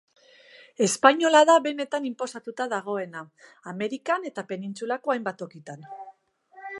Espainola da benetan inposatuta dagoena, Amerikan eta penintsulako hainbat tokitan.